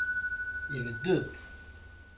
Yebded.